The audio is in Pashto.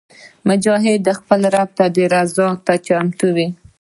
مجاهد د خپل رب رضا ته چمتو وي.